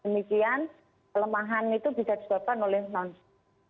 demikian kelemahan itu bisa disebabkan oleh non stroke